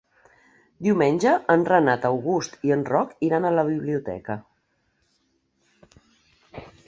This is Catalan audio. Diumenge en Renat August i en Roc iran a la biblioteca.